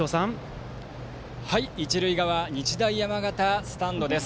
一塁側、日大山形スタンドです。